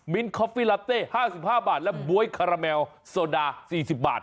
คอฟฟี่ลาเต้๕๕บาทและบ๊วยคาราแมลโซดา๔๐บาท